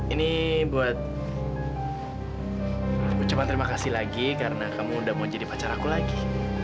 ini buat aku cuma terima kasih lagi karena kamu udah mau jadi pacar aku lagi